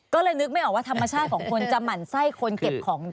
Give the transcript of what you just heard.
ก็เลยนึกไม่ออกว่าธรรมชาติของคนจะหมั่นไส้คนเก็บของ